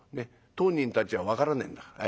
当人たちは分からねえんだから。